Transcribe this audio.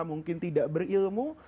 mungkin tidak berilmu